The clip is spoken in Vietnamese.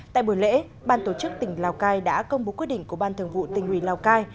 tại buổi lễ ban tổ chức tỉnh lào cai đã công bố quyết định của ban thường vụ tỉnh ủy lào cai